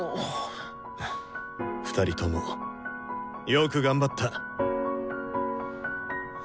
２人ともよく頑張った！